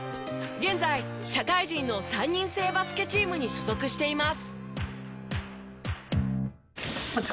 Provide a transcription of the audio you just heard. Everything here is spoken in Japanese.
現在社会人の３人制バスケチームに所属しています。